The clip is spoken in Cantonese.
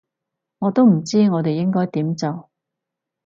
我都唔知我哋應該點做